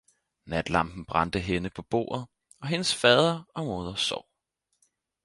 Natlampen brændte henne på bordet, og hendes fader og moder sov